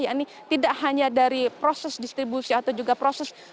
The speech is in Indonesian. ini tidak hanya dari proses distribusi atau juga proses